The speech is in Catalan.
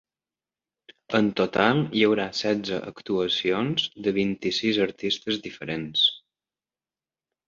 En total hi haurà setze actuacions de vint-i-sis artistes diferents.